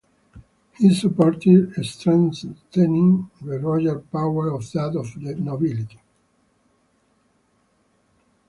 He supported strengthening the royal power of that of the nobility.